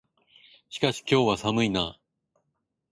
しかし、今日は寒いな。